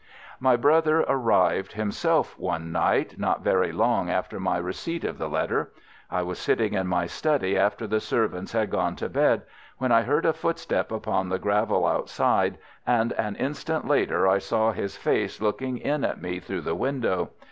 "My brother arrived himself one night not very long after my receipt of the letter. I was sitting in my study after the servants had gone to bed, when I heard a footstep upon the gravel outside, and an instant later I saw his face looking in at me through the window.